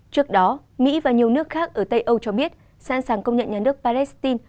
trước đó mỹ và nhiều nước khác ở tây âu cho biết sẵn sàng công nhận nhà nước palestine